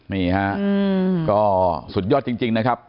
นี่ฮะก็สุดยอดจริงนะครับ